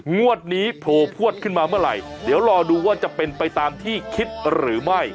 งวดนี้โผล่พวดขึ้นมาเมื่อไหร่เดี๋ยวรอดูว่าจะเป็นไปตามที่คิดหรือไม่